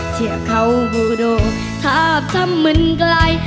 เชียวเข้าบุโดทับทับมื้นไกล